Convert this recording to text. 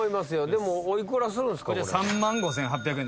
でもお幾らするんすか？